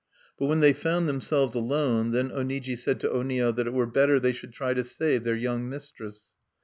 But when they found themselves alone, then Oniji said to Onio that it were better they should try to save their young mistress.